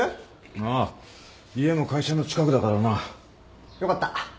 ああ家も会社の近くだからな。よかった。